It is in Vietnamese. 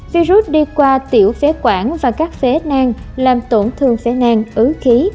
virus đi qua tiểu phế quản và các phế nang làm tổn thương phế nang ứ khí